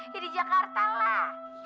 ya di jakarta lah